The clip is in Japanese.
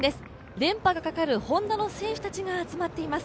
連覇がかかるＨｏｎｄａの選手たちが集まっています。